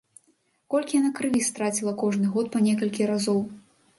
Колькі яна крыві страціла кожны год па некалькі разоў.